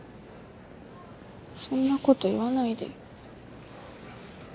そんなこと言わないでよ